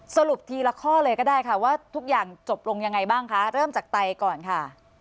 สรุปทีละข้อเลยก็ได้ค่ะว่าทุกอย่างจบลงยังไงบ้างคะเริ่มจากไตก่อนค่ะ